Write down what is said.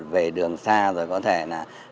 về đường xa rồi có thể là